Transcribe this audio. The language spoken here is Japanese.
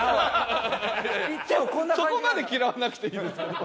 そこまで嫌わなくていいですけど。